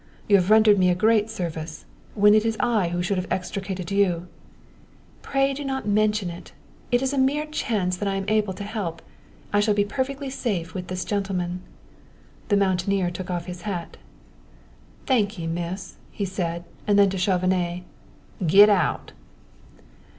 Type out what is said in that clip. You have rendered me a great service, when it is I who should have extricated you " "Pray do not mention it! It is a mere chance that I am able to help. I shall be perfectly safe with this gentleman." The mountaineer took off his hat. "Thank ye, Miss," he said; and then to Chauvenet: "Get out!"